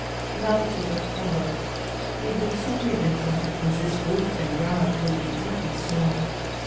" Now it is October. It will soon be winter and this roof and yard will be deep in snow.